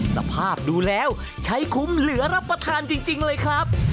สภาพดูแล้วใช้คุ้มเหลือรับประทานจริงเลยครับ